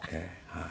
はい。